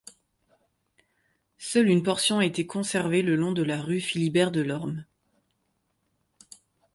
Seule une portion a été conservée le long de la rue Philibert-Delorme.